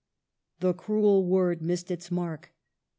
" The cruel word missed its mark.